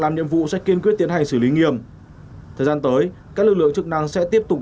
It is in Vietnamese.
làm nhiệm vụ sẽ kiên quyết tiến hành xử lý nghiêm thời gian tới các lực lượng chức năng sẽ tiếp tục